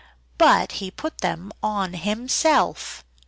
But he put them on _himself!